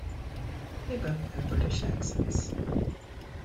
They both have British accents.